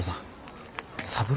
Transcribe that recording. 三郎？